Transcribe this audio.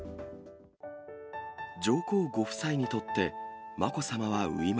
上皇ご夫妻にとってまこさまは初孫。